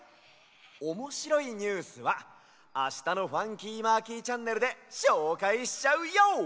おもしろいニュースはあしたの「ファンキーマーキーチャンネル」でしょうかいしちゃうＹＯ！